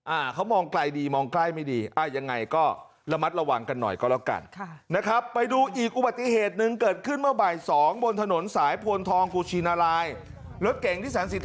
อ่าเขามองไกลดีมองใกล้ไม่ดีอ่ายังไงก็ระมัดระวังกันหน่อยก็แล้วกันค่ะนะครับ